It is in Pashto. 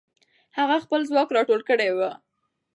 هغه خپل ځواک راټول کړی وو.